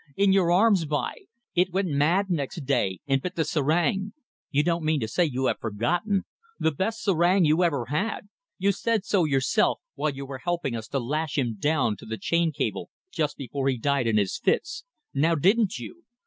In your arms by ...! It went mad next day and bit the serang. You don't mean to say you have forgotten? The best serang you ever had! You said so yourself while you were helping us to lash him down to the chain cable, just before he died in his fits. Now, didn't you?